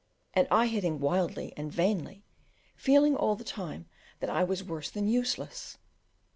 and I hitting wildly and vainly, feeling all the time that I was worse than useless.